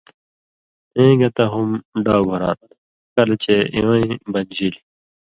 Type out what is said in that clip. (اېں گتہ ہُم ڈاؤ گھُراں تھہ) کلہۡ چے اِوَیں بنژِلیۡ